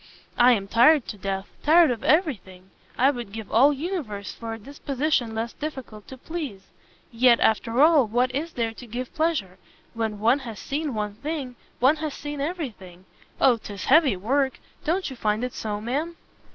I am tired to death! tired of every thing! I would give the universe for a disposition less difficult to please. Yet, after all, what is there to give pleasure? When one has seen one thing, one has seen every thing. O, 'tis heavy work! Don't you find it so, ma'am?"